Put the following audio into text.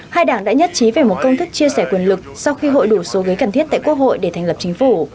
hai đảng đã nhất trí về một công thức chia sẻ quyền lực sau khi hội đủ số ghế cần thiết tại quốc hội để thành lập chính phủ